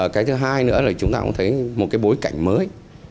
cái thứ hai nữa là chúng ta cũng thấy một cái bối cảnh mới